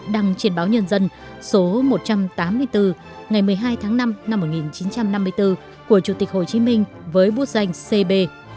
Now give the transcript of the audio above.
đăng trên báo nhân dân số một trăm tám mươi bốn ngày một mươi hai tháng năm năm một nghìn chín trăm năm mươi bốn của chủ tịch hồ chí minh với bút danh cb